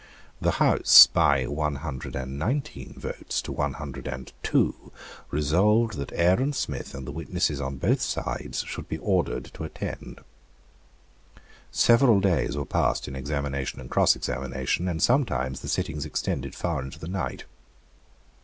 The House, by one hundred and nineteen votes to one hundred and two resolved that Aaron Smith and the witnesses on both sides should be ordered to attend. Several days were passed in examination and crossexamination; and sometimes the sittings extended far into the night.